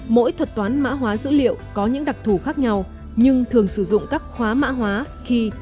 mỗi thuật toán mã hóa dữ liệu có những đặc thù khác nhau nhưng thường sử dụng các khóa mã hóa khi